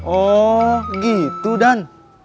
oh gitu dan